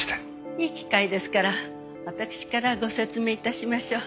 いい機会ですから私からご説明致しましょう。